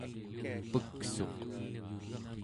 peksuq